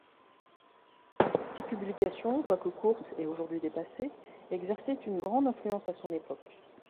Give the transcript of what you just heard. Ses publications, quoique courtes et aujourd'hui dépassées, exerçaient une grande influence à son époque.